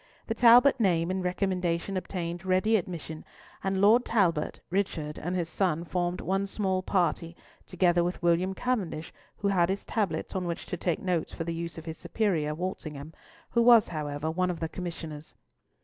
The Talbot name and recommendation obtained ready admission, and Lord Talbot, Richard, and his son formed one small party together with William Cavendish, who had his tablets, on which to take notes for the use of his superior, Walsingham, who was, however, one of the Commissioners.